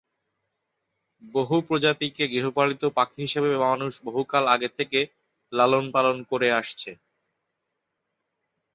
বহু প্রজাতিকে গৃহপালিত পাখি হিসেবে মানুষ বহুকাল আগে থেকে লালন-পালন করে আসছে।